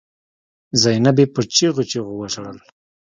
زينبې په چيغو چيغو وژړل.